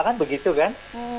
kan begitu kan